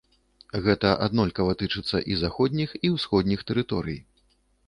Гэта аднолькава тычыцца і заходніх, і ўсходніх тэрыторый.